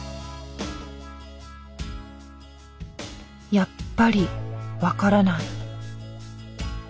やっぱり分からない。